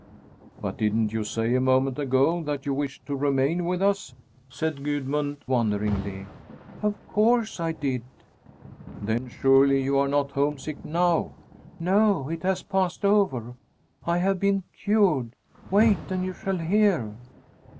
"But didn't you say a moment ago that you wished to remain with us?" said Gudmund wonderingly. "Of course I did!" "Then, surely, you are not homesick now?" "No, it has passed over. I have been cured. Wait, and you shall hear!"